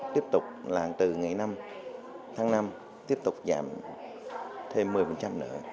tiếp tục là từ ngày năm tháng năm tiếp tục giảm thêm một mươi nữa